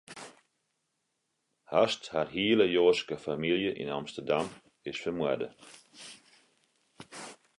Hast har hiele Joadske famylje yn Amsterdam, is fermoarde.